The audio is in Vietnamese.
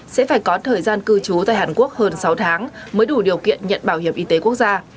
sẽ phải có thời gian cư trú tại hàn quốc hơn sáu tháng mới đủ điều kiện nhận bảo hiểm y tế quốc gia